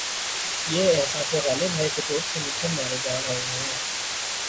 یہ احساس غالب ہے کہ توپ سے مچھر مارے جا رہے ہیں۔